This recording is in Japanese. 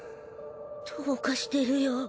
どうかしてるよ